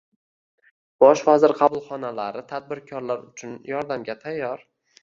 Bosh vazir qabulxonalari tadbirkorlar uchun yordamga tayyor